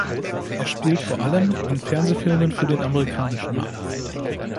Er spielt vor allem in Fernsehfilmen für den amerikanischen Markt.